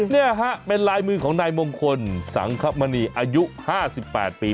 นี่ฮะเป็นลายมือของนายมงคลสังคมณีอายุ๕๘ปี